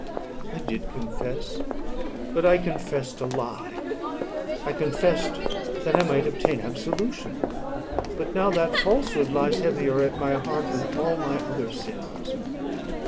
"I did confess; but I confessed a lie. I confessed, that I might obtain absolution; but now that falsehood lies heavier at my heart than all my other sins.